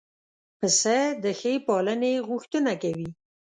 پسه د ښې پالنې غوښتنه کوي.